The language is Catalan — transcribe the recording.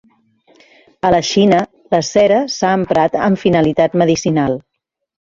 A la Xina la cera s'ha emprat amb finalitat medicinal.